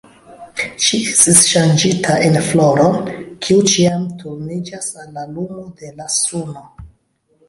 Ŝi estis ŝanĝita en floron, kiu ĉiam turniĝas al la lumo de la suno.